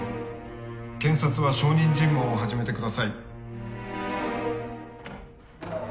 検察は証人尋問を始めて下さい。